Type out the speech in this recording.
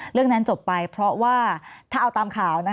เรื่องนั้นจบไปเพราะว่าถ้าเอาตามข่าว